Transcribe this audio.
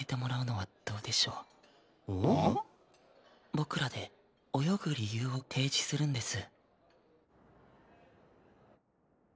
僕らで泳ぐ理由を提示するんです。